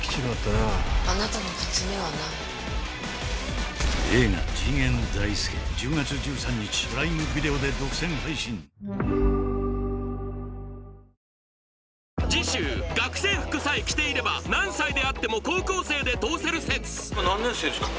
「十勝のむヨーグルト」次週学生服さえ着ていれば何歳であっても高校生で通せる説今何年生ですか？